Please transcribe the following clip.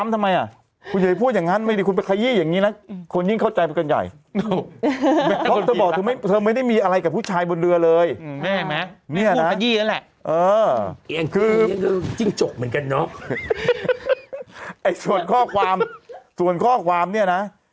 แต่ไม่ได้มีอะไรมีผู้ชายบนเรือเลย